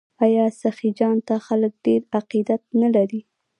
آیا سخي جان ته خلک ډیر عقیدت نلري؟